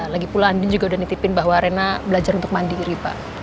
lagipula andien juga udah nitipin bahwa rena belajar untuk mandi riva